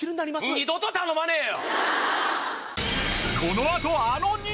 二度と頼まねえよ！